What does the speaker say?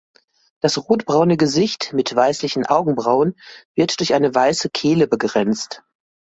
Das rotbraune Gesicht mit weißlichen Augenbrauen wird durch eine weiße Kehle begrenzt.